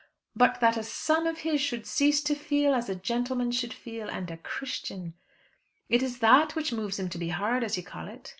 "But that a son of his should cease to feel as a gentleman should feel, and a Christian! It is that which moves him to be hard, as you call it.